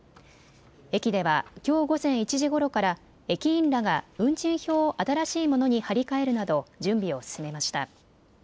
駅ではきょう午前１時ごろから駅員らが運賃表を新しいものに張り替えるなど準備を進めました。